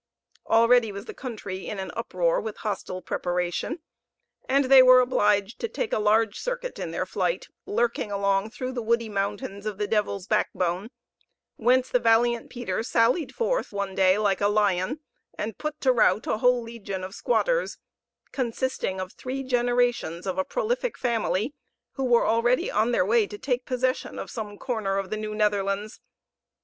Already was the country in an uproar with hostile preparation, and they were obliged to take a large circuit in their flight, lurking along through the woody mountains of the Devil's Backbone; whence the valiant Peter sallied forth, one day like a lion, and put to rout a whole legion of squatters, consisting of three generations of a prolific family, who were already on their way to take possession of some corner of the New Netherlands.